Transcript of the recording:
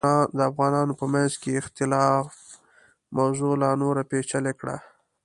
د افغانانو په منځ کې اختلاف موضوع لا نوره پیچلې کړه.